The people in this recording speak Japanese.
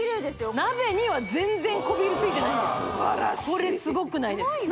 これすごくないですか？